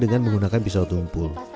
dengan menggunakan pisau tumpul